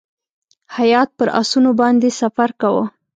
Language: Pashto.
هیات پر آسونو باندې سفر کاوه.